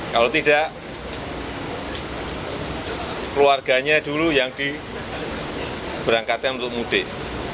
kalau tidak keluarganya dulu yang diberangkatkan untuk mudik